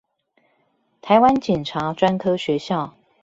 臺灣警察專科學校